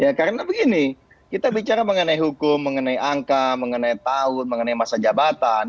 ya karena begini kita bicara mengenai hukum mengenai angka mengenai tahun mengenai masa jabatan